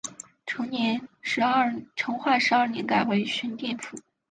成化十二年改为寻甸府。